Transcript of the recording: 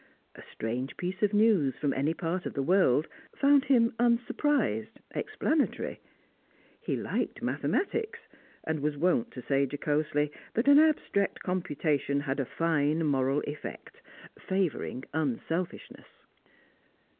A strange piece of news from any part of the world found him unsurprised, explanatory. He liked mathematics, and was wont to say jocosely that an abstract computation had a fine moral effect, favouring unselfishness.